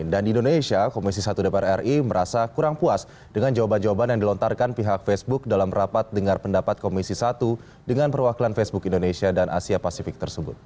dan di indonesia komisi satu dpr ri merasa kurang puas dengan jawaban jawaban yang dilontarkan pihak facebook dalam rapat dengan pendapat komisi satu dengan perwakilan facebook indonesia dan asia pasifik tersebut